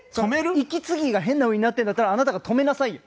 息継ぎが変なふうになってるんだったらあなたが止めなさいよ。